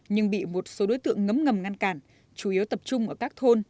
nhưng bị một số đối tượng ngấm ngầm ngăn cản chủ yếu tập trung ở các thôn